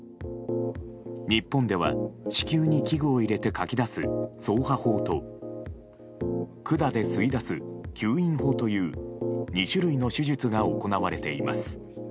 日本では、子宮に器具を入れてかき出す掻爬法と管で吸い出す吸引法という２種類の手術が行われています。